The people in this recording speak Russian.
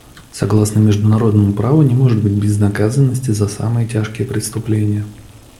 Согласно международному праву не может быть безнаказанности за самые тяжкие преступления.